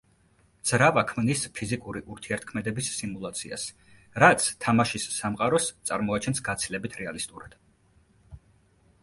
ძრავა ქმნის ფიზიკური ურთიერთქმედების სიმულაციას, რაც თამაშის სამყაროს წარმოაჩენს გაცილებით რეალისტურად.